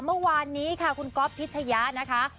เมื่อวานนี้ค่ะคุณก๊อฟพิชยะนะคะ